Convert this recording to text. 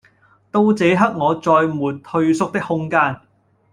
到這刻我再沒退縮的空間